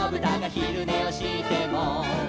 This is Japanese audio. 「ひるねをしても」